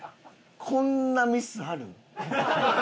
こんなミスある？